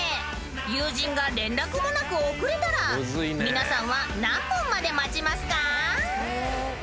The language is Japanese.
［友人が連絡もなく遅れたら皆さんは何分まで待ちますか？］